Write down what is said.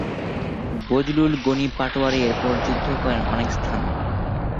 বজলুল গণি পাটোয়ারী এরপর যুদ্ধ করেন অনেক স্থানে।